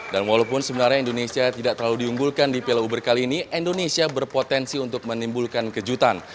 walaupun sebenarnya indonesia tidak terlalu diunggulkan di piala uber kali ini indonesia berpotensi untuk menimbulkan kejutan